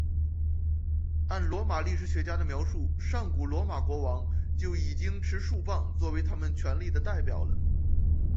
按罗马历史学家的描述上古罗马国王就已经持束棒作为他们权力的代表了。